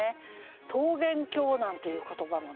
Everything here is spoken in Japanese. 「桃源郷」なんていう言葉もね